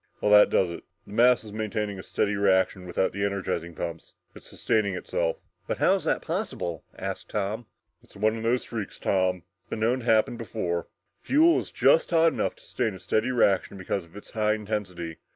"Well, that does it. The mass is maintaining a steady reaction without the energizing pumps. It's sustaining itself!" "But how is that possible?" asked Tom. "It's one of those freaks, Tom. It's been known to happen before. The fuel is just hot enough to sustain a steady reaction because of its high intensity.